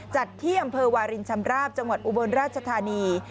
จัดที่อำเภอวารินชำราบจังหวัดอุบลราชธานี